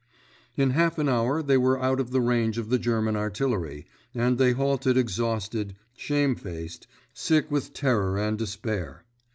In half an hour they were out of the range of the German artillery, and they halted exhausted, shamefaced, sick with terror and despair.